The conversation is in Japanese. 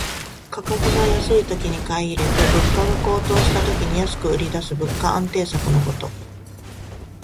価格が安いときに買い入れて、物価が高騰した時に安く売りだす物価安定策のこと。